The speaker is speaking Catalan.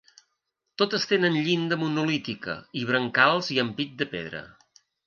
Totes tenen llinda monolítica, i brancals i ampit de pedra.